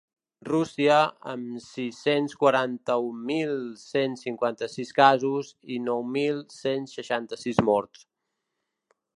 Rússia, amb sis-cents quaranta-un mil cent cinquanta-sis casos i nou mil cent seixanta-sis morts.